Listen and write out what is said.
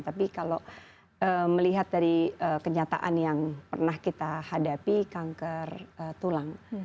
tapi kalau melihat dari kenyataan yang pernah kita hadapi kanker tulang